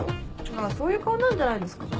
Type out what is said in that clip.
まあそういう顔なんじゃないですか？